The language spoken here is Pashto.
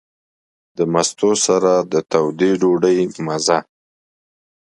د مستو سره د تودې ډوډۍ مزه.